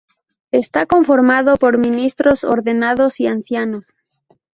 Está conformado por Ministros ordenados y Ancianos.